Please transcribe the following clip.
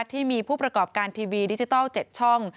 ที่มีผู้ประกอบการทีวีดิจิตอล๗ช่อง